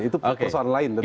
itu persoalan lain tentunya